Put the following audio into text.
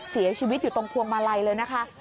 เสียชีวิตอยู่ตรงพวงมาลัยเลยนะคะ